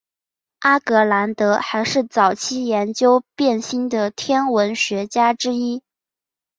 阿格兰德还是早期研究变星的天文学家之一。